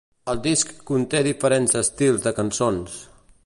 El disc conté diferents estils de cançons.